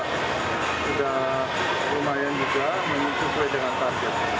tapi penjualan tiket sudah lumayan juga menurut saya dengan target